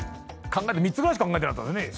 ３つぐらいしか考えてなかったですね